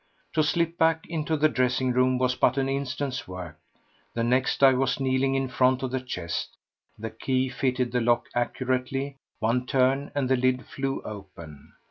To slip back into the dressing room was but an instant's work. The next I was kneeling in front of the chest. The key fitted the lock accurately; one turn, and the lid flew open.